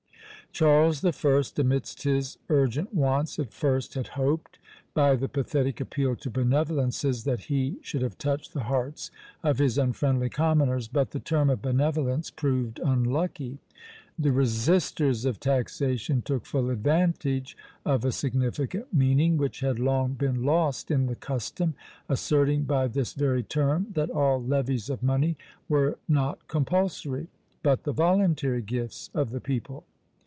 Charles the First, amidst his urgent wants, at first had hoped, by the pathetic appeal to benevolences, that he should have touched the hearts of his unfriendly commoners; but the term of benevolence proved unlucky. The resisters of taxation took full advantage of a significant meaning, which had long been lost in the custom: asserting by this very term that all levies of money were not compulsory, but the voluntary gifts of the people.